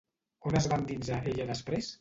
On es va endinsar ella després?